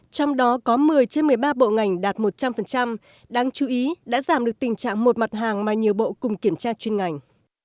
trong đó có một mươi trên một mươi ba bộ ngành đạt một trăm linh đáng chú ý đã giảm được tình trạng một mặt hàng mà nhiều bộ cùng kiểm tra chuyên ngành